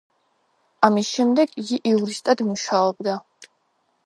ამის შემდეგ, იგი იურისტად მუშაობდა.